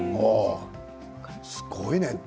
すごいね。